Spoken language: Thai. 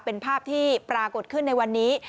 เป็นภาพที่ปรากฏขึ้นในวันนี้